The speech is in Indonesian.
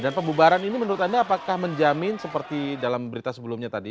dan pembubaran ini menurut anda apakah menjamin seperti dalam berita sebelumnya tadi